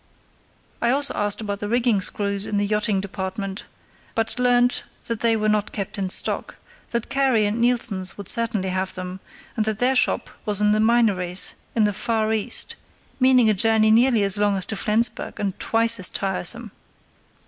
I also asked about rigging screws in the yachting department, but learnt that they were not kept in stock; that Carey and Neilson's would certainly have them, and that their shop was in the Minories, in the far east, meaning a journey nearly as long as to Flensburg, and twice as tiresome.